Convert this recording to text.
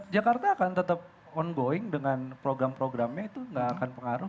jakarta akan tetap ongoing dengan program programnya itu nggak akan pengaruh